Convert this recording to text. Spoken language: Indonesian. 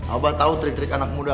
abah tahu trik trik anak muda